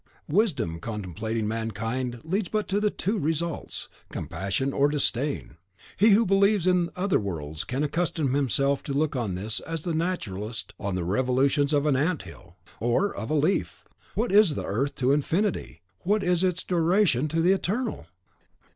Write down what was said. Wisdom contemplating mankind leads but to the two results, compassion or disdain. He who believes in other worlds can accustom himself to look on this as the naturalist on the revolutions of an ant hill, or of a leaf. What is the Earth to Infinity, what its duration to the Eternal?